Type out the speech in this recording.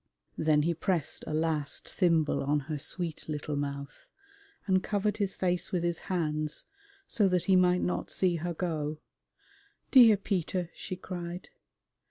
Then he pressed a last thimble on her sweet little mouth, and covered his face with his hands so that he might not see her go. "Dear Peter!" she cried.